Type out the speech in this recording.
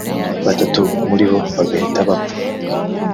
batatu muri bo bagahita bapfa